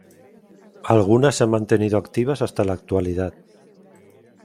Algunas se han mantenido activas hasta la actualidad.